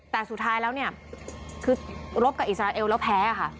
แต่สุดท้ายแล้วเนี่ยคือรบกับอิสราเอลแล้วแพ้ค่ะ